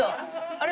あれ？